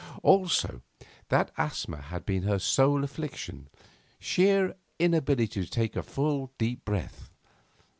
Also, that asthma had been her sore affliction sheer inability to take a full, deep breath.